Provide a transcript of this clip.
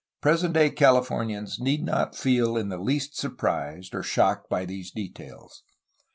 Present day Californians need not feel in the least surprised or shocked by these details.